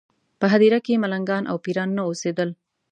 په هدیره کې ملنګان او پېران نه اوسېدل.